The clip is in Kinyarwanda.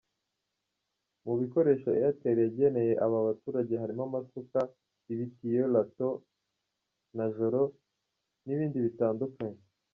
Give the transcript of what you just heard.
Mu bikoresho Airtel yageneye aba baturage harimo amasuka, ibitiyo, Lato, Najoro n’ibindi bitandukanye.